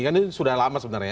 kan ini sudah lama sebenarnya